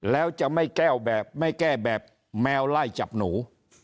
แล้วจะไม่แก้แบบแมวไล่จับหนู